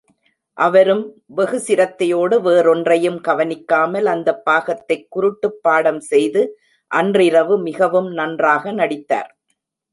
அவரும் வெகு சிரத்தையோடு, வேறொன்றையும் கவனிக்காமல், அந்தப் பாகத்தைக் குருட்டுப்பாடம் செய்து அன்றிரவு மிகவும் நன்றாக நடித்தார்.